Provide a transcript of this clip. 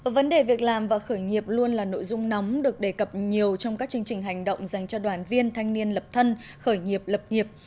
vấn đề việc làm và khởi nghiệp luôn là nội dung nóng được đề cập nhiều trong các chương trình hành động dành cho đoàn viên thanh niên lập thân khởi nghiệp lập nghiệp